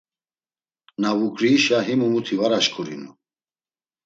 Na vuǩriişa himu muti var aşǩurinu.